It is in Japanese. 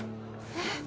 えっ？